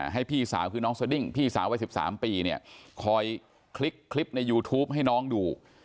ให้พี่สาวคือน้องสดิ้งพี่สาววัย๑๓ปีเนี่ยคอยคลิกคลิปในยูทูปให้น้องดู